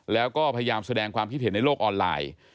แล้วก็พยายามแสดงความคิดเห็นในโลกออนไลน์